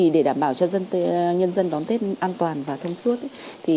để đảm bảo cho nhân dân đón tết an toàn và thông suốt